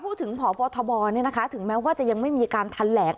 พบทบถึงแม้ว่าจะยังไม่มีการทันแหลง